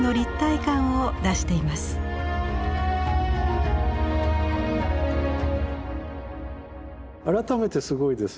改めてすごいですね。